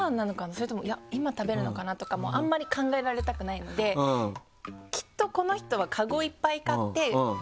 それとも今食べるのかな？」とかもあんまり考えられたくないのできっとこの人はカゴいっぱい買って。